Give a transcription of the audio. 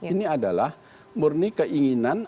ini adalah murni keinginan